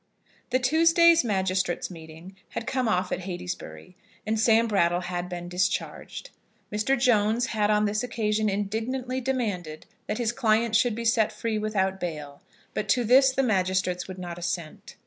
The Tuesday's magistrates' meeting had come off at Heytesbury, and Sam Brattle had been discharged. Mr. Jones had on this occasion indignantly demanded that his client should be set free without bail; but to this the magistrates would not assent.